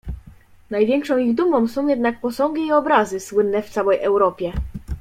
"Największą ich dumą są jednak posągi i obrazy, słynne w całej Europie."